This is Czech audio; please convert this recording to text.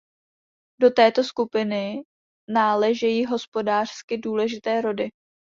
Do této skupiny náležejí hospodářsky důležité rody.